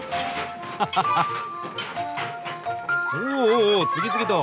おおお次々と。